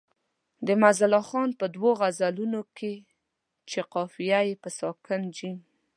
د معزالله خان په دوو غزلونو کې چې قافیه یې په ساکن جیم.